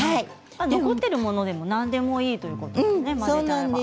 残っているものでも何でもいいということですね。